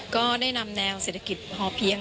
ก็ได้นำแนวเศรษฐกิจพอเพียง